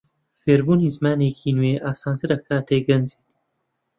فێربوونی زمانێکی نوێ ئاسانترە کاتێک گەنجیت.